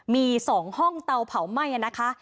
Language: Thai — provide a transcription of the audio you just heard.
มี๒ห้องเตาเผาไหม้นะคะ